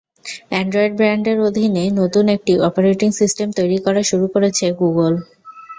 Android ব্র্যান্ডের অধীনে নতুন একটি অপারেটিং সিস্টেম তৈরি করা শুরু করেছে গুগল।